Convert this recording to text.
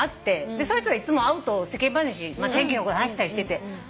その人いつも会うと世間話天気のこと話したりしてて。